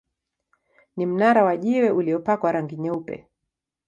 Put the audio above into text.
Ni mnara wa jiwe uliopakwa rangi nyeupe.